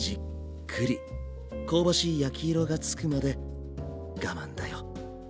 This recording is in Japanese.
香ばしい焼き色がつくまで我慢だよ。